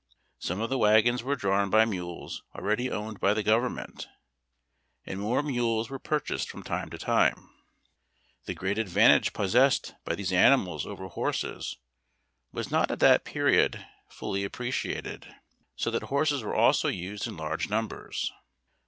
Some of the wagons were drawn by mules already owned by the government, and more mules were purchased from time to time. The great advantage pos sessed by these animals over horses was not at that period THE ARMY MULE. 281 full}^ appreciated, so that horses were also used in large numbers.